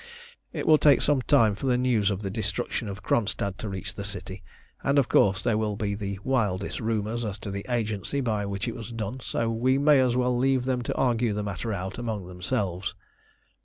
It will take some time for the news of the destruction of Kronstadt to reach the city, and, of course, there will be the wildest rumours as to the agency by which it was done, so we may as well leave them to argue the matter out among themselves."